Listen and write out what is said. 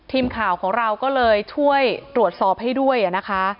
ทีมข่าวของเราก็เลยช่วยตรวจสอบให้ด้วยนะคะ